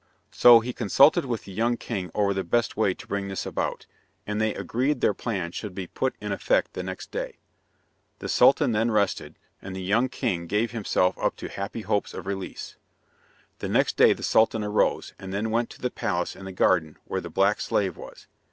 So he consulted with the young king over the best way to bring this about, and they agreed their plan should be put in effect the next day. The Sultan then rested, and the young king gave himself up to happy hopes of release. The next day the Sultan arose, and then went to the palace in the garden where the black slave was.